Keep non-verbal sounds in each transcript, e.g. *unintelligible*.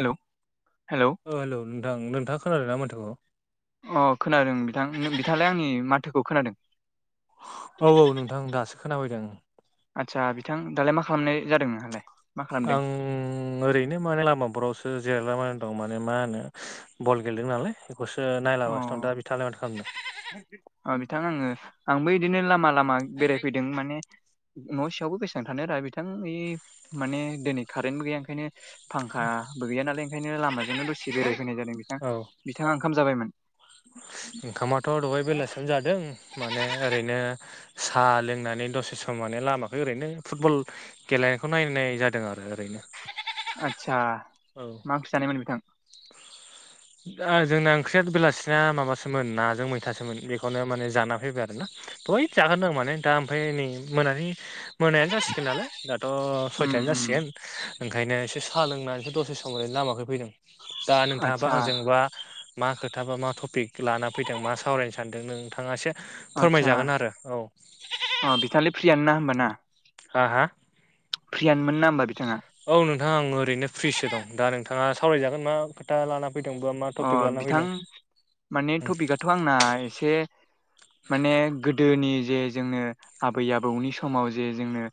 हेल hello ओ hello नोंथां नोंथाङा खोनादों ना माथोखौ अ खोनादों बिथां बिथाङालाय आंनि माथोखौ खोनादों औ औ नोंथां दासो खोनाफैदों आदसा बिथां दालाय मा खालामनाय जादों नोंहालाय मा आं खालामदों ओम ओरैनो माने लामाफोरावसो जिरायलानानै दं माने मा होनो बल गेलेदों नालाय बेखौसो नायलागासिनो दं दा बिथाङालाय माथो खालामदों? अ बिथां आङो आंबो बिदिनो लामा लामा बेरायफैदों माने न' सियावबो बेसेबां थानो रा बिथां बे माने दिनै कारेन्टबो गैया ओंखायनो फांखाबो गैया नालाय ओंखायनो लामाजोंनो दसे बेरायफैाय जादों बिथां। औ बिथाङा ओंखाम जाबायमोन? ओंखामाथ' दहाय बेलासियावनो जादों माने ओरैनो साहा लोंनानै दसे सम माने लामाखौ ओरैनो फुटबल गेलेनायखौ नायनाय जादों आरो ओरैनो आतसा औ मा ओंख्रि जानायमोन बिथां? *inaudible* जोंना ओंख्रिया बेलासिनाया माबासोमोन नाजों मैथासोमोन बेखौनो माने जाना फैबाय आरो ना दहाय जाखादों आं माने दा ओमफ्राय नै मोनानि मोनायानो जासिगोन नालाय दा थ' उम सयथायानो उम जासिगोन ओंखायनो एसे साहा लोंनानैसो दसे समरै लामाखै फैदों दा नोंथाङाबा आदसा आंजों बा मा खोथा बा मा टपिक लाना फैदों मा सावरायनो सानदों नोंथाङासो आदसा फोरमायजागोन आरो औ अ बिथाङालाय फ्रियानो ना होमबाना? हा हा फ्रियानोमोन ना होनबा बिथाङा औ नोंथाङा आं ओरैनो फ्रिसो दं दा नोंथाङा सावरायजागोन मा खोथा लाना फैदोंबा मा अ टपिक लाना बिथां फैदों माने टपिकआथ' आंना एसे माने गोदोनि जे जोंनो आबै आबौनि समाव जे जोंनो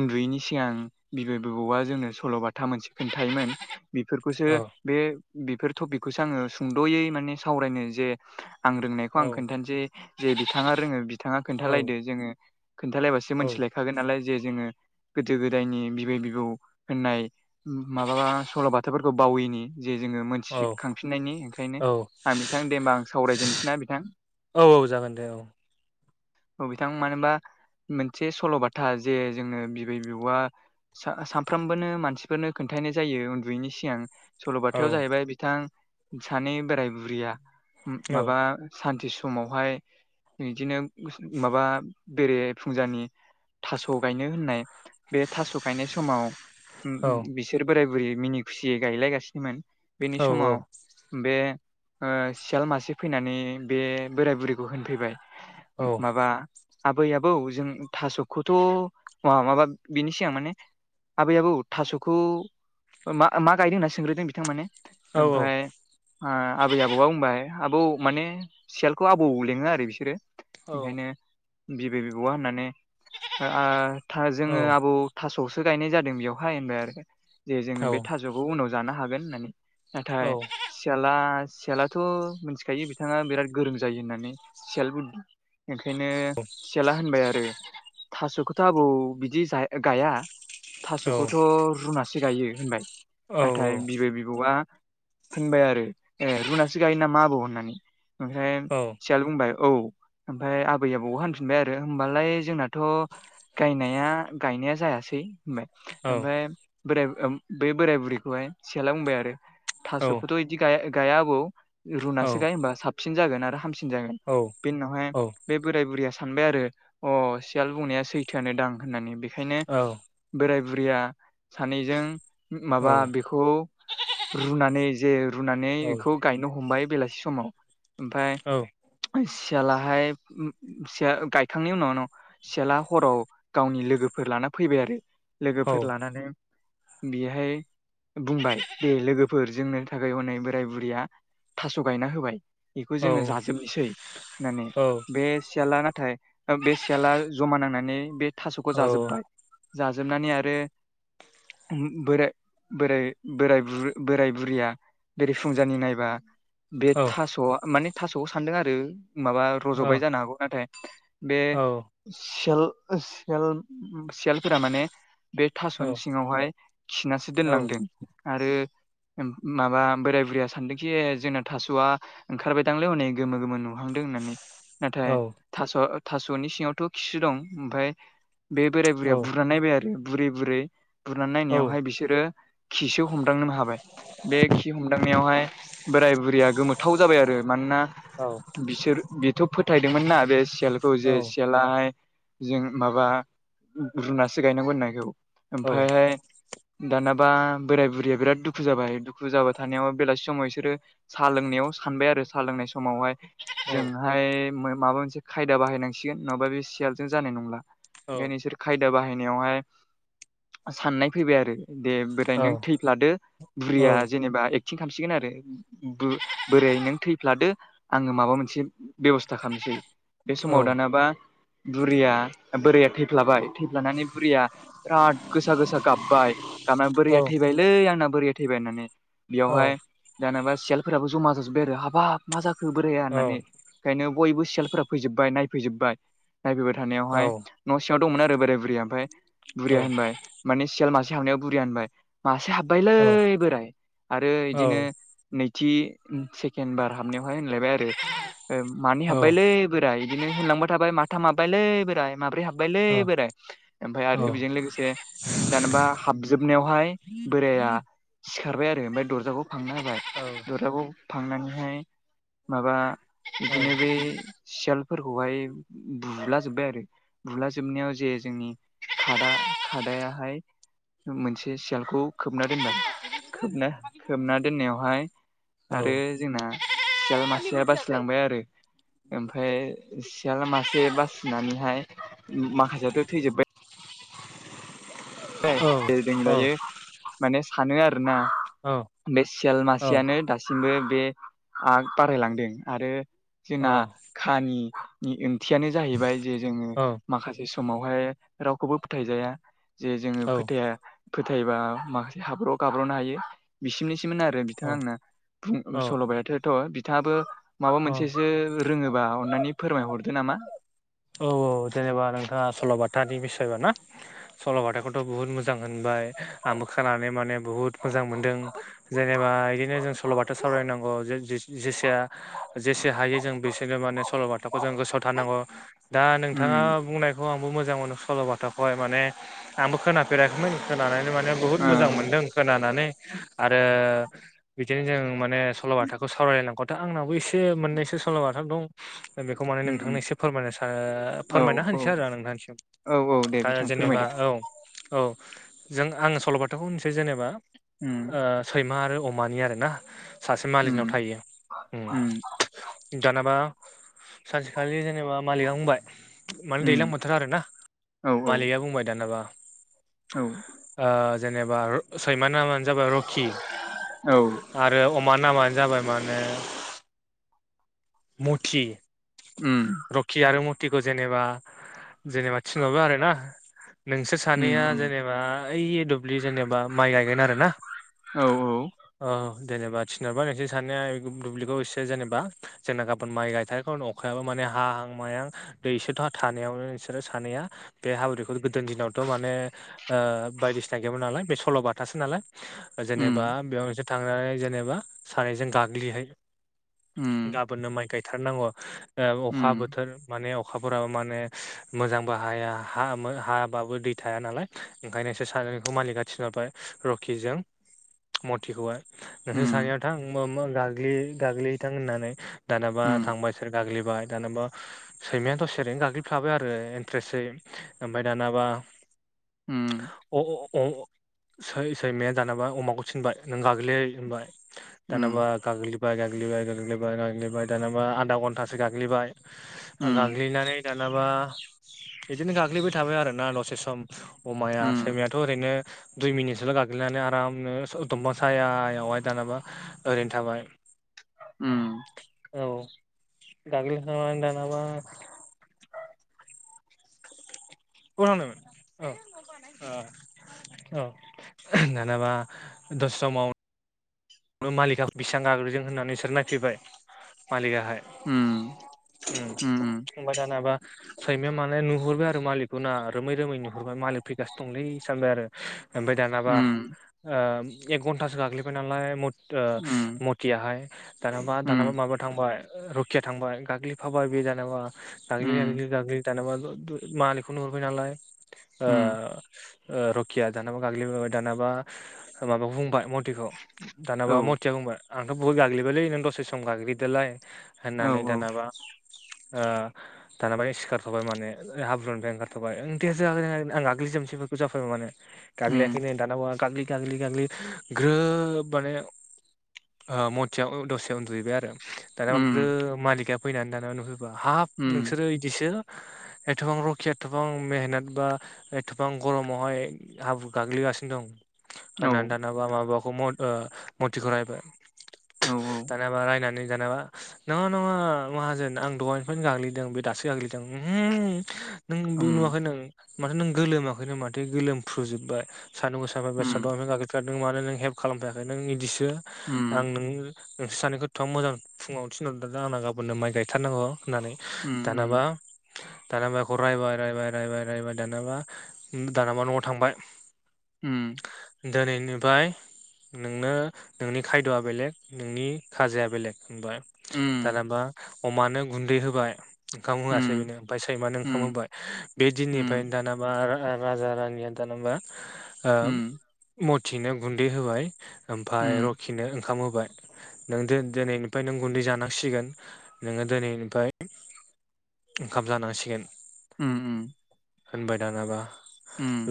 उनदुयैनि सिगां बिबै बबौआ जोंनो सल'बाथा मोनसे खोन्थायोमोन बेफोरखौसो औ बे बेफोर टपिकखौसो आङो सुंद'यै माने सावरायनो जे आं रोंनायखौ औ आं खोनथानोसै जे बिथाङा रोङो बिथाङा औ खोनथालायदो जोङो खोनथालायबासो औ मोनथिलायखागोन नालाय जे जोङो गोदो गोदायनि बिबै बिबौ होननाय माबा सल'बाथाफोरखौ बावैनि जे जोङो मोनसे औ फिननायनि ओंखायनो औ आं बिथां दे होनबा आं सावरायजेननोसैना बिथां *inaudible* औ औ जागोन दे औ औ बिथां मानो होनबा मोनसे सल'बाथा जे जोंङो बिबै बिबौया साफ्रोमबोनो मानसिफोरनो खोनथानाय जायो उनदुयैनि सिगां औ सल'बाथायाव जाहैबाय बिथां सानै बोराय बुरैया औ माबा सानथि समावहाय बिदिनो माबा बेरे फुंजानि थास' गायनो होननाय बे थास' गायनाय समाव औ बिसोर बिसोर बोराय बुरै मिनि खुसियै गायलायगासिनोमोन बेनि औ समाव बे ओ सियाल मासे फैनानै बे बोराय बुरैखौ होनफैबाय औ माबा आबै आबौ जों थास'खौथ' मा माबा बिनि सिगां माने आबै आबौ थास'खौ मा मा गायदों होनना सोंग्रोदों बिथां माने औ ओमफ्राय आबै आबौआ बुंबाय आबौ माने सियालखौ आबौ लेङो आरो बिसोरो औ ओंखायनो बिबै बिबौआ होननानै ओ जोङो आबौ थास'सो गायनाय जादों बेयावहाय होनबाय आरो जे औ जोङो बे औ थास'खौ उनाव जानो हागोन होननानै नाथाय औ सियाला सियालाथ' मिथिखायो बिथाङा बिराद गोरों जायो होननानै सियालबो ओंखायनो सियाला होनबाय आरो थास'खौथ' आबौ बिदि गाया थास'खौथ' रुनासो गायो होनबाय नाथाय बिबै बिबौआ होनबाय आरो ए रुनासो गायो ना मा आबौ होननानै ओमफ्राय औ सियाला बुंबाय औ ओमफ्राय आबै आबौ होनफिनबाय आरो होमबालाय जोंनाथ' गायनाया गायनाया जायासै होनबाय ओमफ्राय बोराय बे बोराय बुरैखौहाय सियाला बुंबाय आरो थास'खौथ'दि बिदि गाया आबौ रुनासो गायो होमबा साबसिन जागोन आरो हामसिन जागोन बेनि उनावहाय बे बोराय बुरैया सानबाय आरो अ सियाल बुंनाया सैथोआनो दां होननानै बेखायनो बोराय बुरैया सानैजों माबा बेखौ रुनानै जे रुनानै बेखौ गायनो हमबाय बेलासि समाव ओमफ्राय औ सियालाहाय सिया गायखांनायनि उनाव न सियाला हराव गावनि लोगोफोर लाना फैबाय आरो लोगोफोर लानानै बेहाय बुंबाय दे लोगो फोर जोंनो थाखाय हनै बोराय बुरिया थास' गायना होबाय बेखौ जोङो जाजोबनोसै होननानै बे सियाला नाथाय बे सियाला जमा नांनानै बे थास'खौ जाजोबबाय जाजोबनानै आरो बोराय बोराय बोराय बुर बोराय बुरैया बेरेफुंजानि नायबा बे थास माने थास'खौ सानदों आरो माबा रज'बाय जानो हागौ नाथाय बे सियालफोरा माने बे थास'नि सिङावहाय खिनासो दोनलांदों आरो माबा बोराय बुरिया सानदोंखि जोंना थास आ ओंखारबायदांलै है गोमो गोमो नु हांदों होननानै नाथाय थास' थास'नि सिङावथ खिसो दो ओमफाय बे बोराय बुरैया बुरना नायबाय आरो बुरै बुरै बुरनानै नायनायावहाय बिसोरो खिसो हमदांनो हाबाय बे खि हमदांनायावहाय बोराय बुरैया गोमोथाव जाबाय आरो मानोना बिसोर बेथ' फोथायदोंमोन ना बे सियालखौ जे सियाल *unintelligible* जों माबा रुनासो गायनांगौ होननायखौ ओमफायहाय दानाबा बोराय बुरैया बिराद दुखु जाबाय फुजाबा थानायाव बेलासि समाव इसोरो सा लोंनायाव सानबाय आरो साहा लोंनाय समावहाय जों हाय माबा मोनसे खायदा बाहायनांसिगोन नङाबा बे सियालजों जानाय नंला ओंखायनो *unintelligible* खायदा बाहायनायावहाय साननाय फैबाय आरो दे बेराय नों थैफ्लादो बुरिया जेनेबा एक्टिं खालामसिगोन आरो बोराय नों थैफ्लादो आङो माबा मोनसे बेब'स्था खालामनोसै बे समाव दानाबा बुरिया बोरया थैफ्लाबाय थैब्लानानै बुरैया बिराद गोसा गोसा गाबबाय गाबनानै बोरैया थैबायलै आंना बोरैया थैबाय होननानै बेयावहाय जेनेबा सियालफोराबो जमा जाजोबबाय आरो हाबाब मा जाखो बोराया होननानै ओंखायनो बयबो सियालफोरा फैजोबबाय नायफैजोबबाय नायफैबाय थानायावहाय न' सिङाव दंमोन आरोै बोराय बुरिया ओमफाय बुरिया होनबाय माने सियाल मासे हाबनायाव बुरिया होनबाय मासे हाबबायलै बोराय आरो इदिनो नैथि सेकेणड बार हाबनायावहाय होनलायबाय आरो मानै हाबबायलै बोराय बिदिनो होनोलांबाय थाबाय माथाम हाबबायलै बोराय माब्रै हाब हाबब्बायलै बोराय ओमफ्राय औ औ आरो बेजों लोगोसे दानाबा हाबजोबनायावहाय बोराया सिखारबाय आरो ओमफ्राय दरजाखौ फांना होबाय औ दरजाखौ फांनानैहाय माबा औ बिदिनो बे सियालफोरखौहाय बुला जोब्बाय आरो बुलाजोबनायाव जे जोंनि खादा खादायाहाय मोनसे सियालखौ खोबना दोनबाय खोबना खोबना दोननायावहाय औ आरो जोंना सियाल मासेया बासिलांबाय आरो ओमफ्राय सियाला मासे बासिनानैहाय माखासेयाथ' थैजोब्बाय औ दे जों औ दायो *unintelligible* माने सानो आरो ना औ बे सियाल मासेयानो दासो दासिमबो बे आ बारायलांदों आरो जोंना औ खानि नि ओंथियानो जाहैबाय जे जोङो माखासे समावहाय रावखौबो फोथायजाया जे जोङो औ फोथाया फोथायबा माखासे हाब्रु' गाब्र'नो हायो बिसिमनिसोमोन आरो बिथाङा आंना औ सल'बायाथ'थ बिथाङाबो माबा मोनसे रोङोबा अननानै फोरमायहरदो नामा औ औ जेनेबा नोंथाङा सल'बाथानि बिसय बा ना सल'बाथाखौथ' बुहुत मोजां होनबाय आंबो खोनानानै माने बुहुत मोजां मोनदों जेनेबा बिदिनो जों सल'बाथा सावरायनांगौ जेसेया *unintelligible* जेसे हायो जों बिसोरनो माने सल'बाथाखौ जों गोसोआव थानांगौ दा नोंथाङा उम बुंनाय बेखौ आंबो मोजां मोनो सल'बाथाखौाय माने आंबो खोनाफेराखैमोन खोनानानै माने बुहुत मोजां ओं मोन्दों खोनानानै आरो बिदिनो जों माने सल'बाथाखौ सावरायलाय नांगौआथ' आंनावबो एसे एसे मोननैसो सल' बाथा दं बेखौ माने नोंथांनो उम एसे फोरमायनो सै औ फोरमायना औ होनोसै आरो नोंथांसिम औ औ दे दा बिथां जेनेबा फोरमायदो औ औ जों आङ सल'बाथाखौ होनसै जेनेबा उम सैमा आरो अमानि आरो ना सासे मालिकनाव उम थायो उम दानाबा सानसेखालि जेनेबा मालिकआ बुंबाय मानो उम दैज्लां बोथोरा आरोना औ औ मालिका बुंबाय दानाबा औ जेनेबा सैमा नामानो जाबाय रकि औ आरो अमा नामानो जाबाय माने मथि उम रकि आरो मतिखौ जेनेबा जेनेबा थिनहरो आरो ना नोंसोर सानैया उम उम जेनेबा ओइ दुब्लि जेनेबा माइ गायगोन आरो ना औ औ औ जेनेबा थिनहरबाय नोंसोर सानैया दुब्लिखौ एसे जेनेबा जोंना गाबोन माइ गायथारगोन अखायाबो माने हाहां माहां दै सोरथ' थानायावनो नोंसोरो सानैया बे हाबुरु दैखौ गोदो दिनावथ' माने *unintelligible* बायदिसिना गैयामोन नालाय बे सल'बाथासो नालाय जेनेबा उम बेयाव नोंसोर थांनानै जेनेबा सानैजों गाग्लिहैयो उम फोरनो माइ गायथारनांगौ अखा उम बोथोर माने अखाफोराबो माने मोजांबो हाया हा हाबाबो दै थाया नालाय ओंखायनो बिसोर सानैखौ मालिकआ थिनहरबाय रकिजों मथिखौहाय नोंसोर उम सानैया थां मा मा गाग्लि गाग्लि है थां होननानै दानाबा उम थांबाय बिसोर गाग्लिबाय दानाबा सैमायाया दसेे ओरैनो गाग्लिफ्लाबाय आरो इन्ट्रेसयै ओमफ्राय दानाबा उम अ अ सै सैमाया दानाबा अमाखौ थिनबाय नों गाग्लिलाय होनबाय उम दानेबा गाग्लिबाय गाग्लिबाय गाग्लिबाय गाग्लिबाय दानाबा आधा घन्टासो गाग्लिबाय उम गाग्लिनानै दानाबा बिदिनो गाग्लिबाय थाबाय आरोना दसे सम उम अमाया सैमायाथ' ओरैनो दुइ मिनिटसोल' गाग्लिनानै आरामनो दंफां सायावहाय दानाबा ओरैनो थाबाय उम औ गाग्लिखांनानै दानाबा अबाव थांनो औ औ औ दानाबा दसे समाव मालिकगा बेसेबां गाग्लिदों होननानै इसोर नायफैबाय मालिकआ उम उम होनबा दानाबा सैमाया माने नुहरबाय आरो मालिकखौ ना रोमै रोमै नुहरबाय मालिक फैगासिनो दंलै सानबाय आरो ओमफ्राय दानाबा एक घन्टासो गाग्लिबाय नालाय याहाय दानाबा दानाबा उम माबा थांबाय रुखिया थांबाय गाग्लिफाबाय बे दानाबा उम गाग्लिाग्लि गाग्लि दानाबा मालिखौ नुहरबाय नालाय उम रकिया दानाबा गाग्लिबोबाय दानाबा माबाखौ बुंबाय मतिखौ औ दानाबा मथिया बुंबाय आंथ' बहत गाग्लिबायलै नों दसे सम गाग्लिदोलाय औ होननानै औ दानाबा दानााब सिखारथ'बाय माने हाब्रुनिफ्राय ओंखारथ'बाय ओं दे जागोन आं गाग्लि जोबगोन जाफैबाय माने उम गाग्लिायाखैनो दानाबा गाग्लि गाग्लि गाग्लि ग्रोब माने मतिया दसे उन्दुहैबाय आरो दानाबा उम ग्रोब मालिकआ फैनानै दाना नुफैबा हाफ उम नोंसोरो बिदिसो एथबां रखिया एथबां मेहनत बा एथबां गरमावहाय हाब्रु गाग्लिगासिनो दं औ होननानै दानाबा माबाबाखौ मथिखौ रायबाय औ औ दानाबा रायनानै दानाबा नङा नङा माहाजोन आं दहायनिफ्रायनो गाग्लिदों बे दासो गाग्लिदों नों बे उम नुवाखै नों माथो नों गोलोमाखै नो माथो गोलोमफ्रुजोबबाय सानदुं गोसा सोरा बेसाद उम दं गाखिरखारदों मानो नों हेल्प खालामफाययाखै नों बिदिसो आं उम नों नोंसोर सानैखौथ'आ मोजां फुङावनो थिनहरदों आंना गाबोननो माइ गायथारनांगौ होननानै उम दानाबा दानाबा रायबाय रायबाय रायबाय रायबाय दनाबा दानाबा न'आव थांबाय हम दोनैनिफ्राय नोंनो नोंनि खायद'आ बेलेग नोंनि खाजाया बेलेग बाय दानबा अमानो गुन्दै होबाय ओंखाम होआसै उम बेनो ओमफ्राय सैमानो ओंखाम उम होबाय बे उम दिननिफ्रायनो दानाबा राजा रानिया दानाबा उम उम मथिनो गुन्दै होबाय उम ओमफ्राय रखिनो ओंखाम होबाय नों दिनैनिफ्राय नों गुन्दै जानांसिगोन नोङो दिनैनिफ्राय ओंखाम जानांसिगोन उम उम होनबाय दानाबा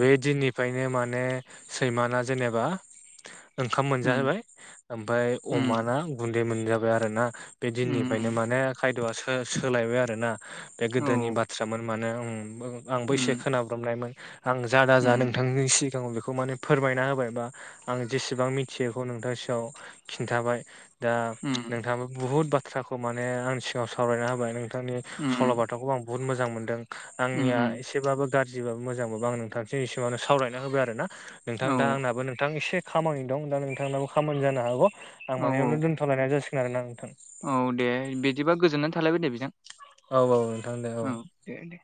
बे दिननिफ्रायनो माने सैमाना जेनेबा ओंखाम उम मोनजाहैाय ओमफ्राय उम उम अमाना गुन्दै मोनजाबाय आरो ना बे दिननिफ्रायनो उम माने खायद'आ सोलायबाय आरो ना बे औ गोदोनि बाथ्रा। थ्रामोन माने आंबो एसे उम खोनाब्रोमनायमोन आं जा दा जा उम नोंथांनि सिगाङाव बेखौ माने फोरमायना होबाय बा आं जेसेबां मिथियैखौ नोंथां सआव खिन्थाबाय दा उम नोंथाङाबो बुहुद बाथ्राखौ। खौ माने आं सिाङाव सावरायना होबाय नोंथांनि उम सल'बाथाखौबो आं बुहुत मोजां मोनदों। उम आंनिया उम एसेबाबो गाज्रिबाबो मोजांबाबो आं नोंथांनिसिमा एसे माने सावरायना होबाय आरोना नोंथां औ दा आंनाबो नोंथां एसे खामानि दं दा नोंथांनाबो खामानि जानो हागौ औ आं दोन थलायनाय जासिगोन आरोना नोंथां। औ दे बिदिबा गोजोननानै थालायबाय दे बेजों। औ औ नोंथां दे औ। दे दे।